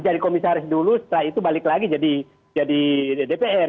jadi komisaris dulu setelah itu balik lagi jadi dpr